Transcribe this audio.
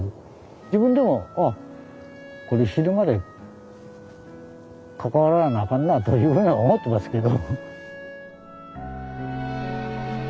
自分でもあっこれ死ぬまで関わらなあかんなあというふうには思ってますけど。